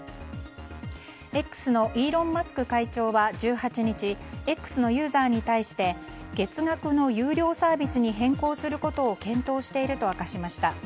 Ｘのイーロン・マスク会長は１８日Ｘのユーザーに対して、月額の有料サービスに変更することを検討していると明かしました。